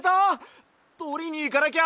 とりにいかなきゃ！